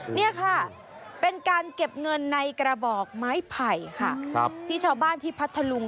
นี่ค่ะเป็นการเก็บเงินในกระบอกไม้ไผ่ค่ะครับที่ชาวบ้านที่พัทธลุง